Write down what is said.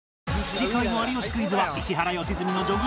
次回の『有吉クイズ』は石原良純のジョギング旅